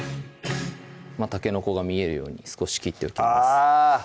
たけのこが見えるように少し切っておきますあ！